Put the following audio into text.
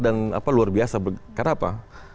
dan luar biasa karena apa